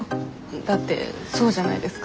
だってそうじゃないですか？